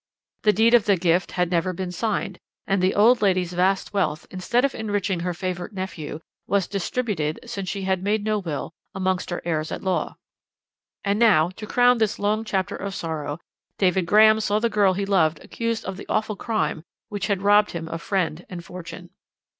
"The deed of gift had never been signed, and the old lady's vast wealth, instead of enriching her favourite nephew, was distributed since she had made no will amongst her heirs at law. And now to crown this long chapter of sorrow David Graham saw the girl he loved accused of the awful crime which had robbed him of friend and fortune.